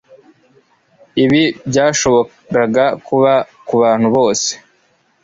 Ibi byashoboraga kuba kubantu bose